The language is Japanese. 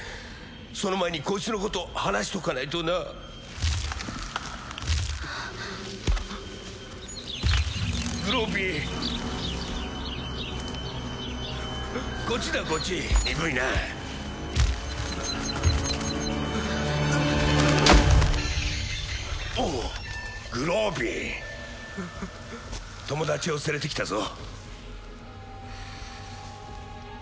その前にこいつのこと話しとかないとなグロウピーこっちだこっち鈍いなおおグロウピー友達を連れて来たぞ